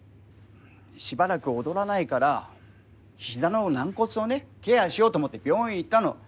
しばらく踊らないから膝の軟骨をねケアしようと思って病院行ったの。